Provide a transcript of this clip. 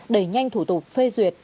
đẩy nhanh thủ tục phê duyệt